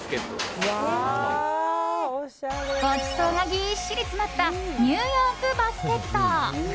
ごちそうがぎっしり詰まったニューヨークバスケット。